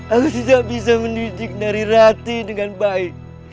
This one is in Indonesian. aku tidak bisa menunjukkan hari rati dengan baik